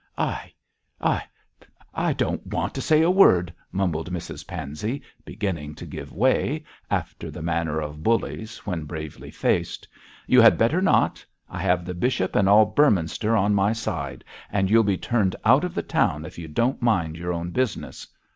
'I I I don't want to say a word,' mumbled Mrs Pansey, beginning to give way, after the manner of bullies when bravely faced. 'You had better not. I have the bishop and all Beorminster on my side, and you'll be turned out of the town if you don't mind your own business.